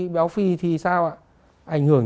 béo phi thì sao ạ ảnh hưởng